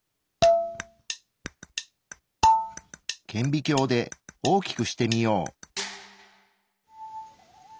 顕微鏡で大きくしてみよう。